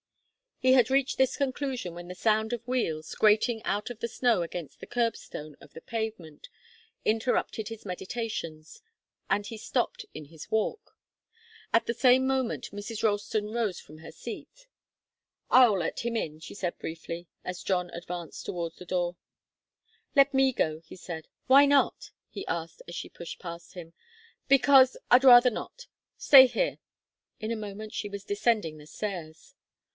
He had reached this conclusion, when the sound of wheels, grating out of the snow against the curb stone of the pavement, interrupted his meditations, and he stopped in his walk. At the same moment Mrs. Ralston rose from her seat. "I'll let him in," she said briefly, as John advanced towards the door. "Let me go," he said. "Why not?" he asked, as she pushed past him. "Because I'd rather not. Stay here!" In a moment she was descending the stairs.